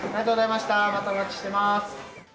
またお待ちしてます。